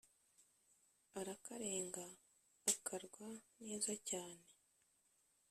arakarenga akarwa neza cyane